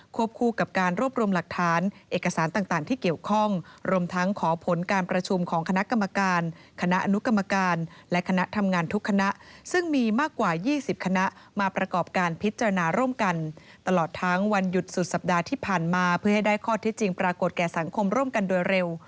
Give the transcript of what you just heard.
คู่กับการรวบรวมหลักฐานเอกสารต่างที่เกี่ยวข้องรวมทั้งขอผลการประชุมของคณะกรรมการคณะอนุกรรมการและคณะทำงานทุกคณะซึ่งมีมากกว่า๒๐คณะมาประกอบการพิจารณาร่วมกันตลอดทั้งวันหยุดสุดสัปดาห์ที่ผ่านมาเพื่อให้ได้ข้อที่จริงปรากฏแก่สังคมร่วมกันโดยเร็ว